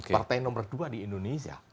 partai nomor dua di indonesia